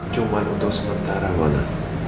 cuma untuk sementara mona